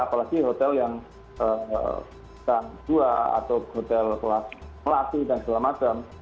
apalagi hotel yang dua atau hotel kelas melati dan segala macam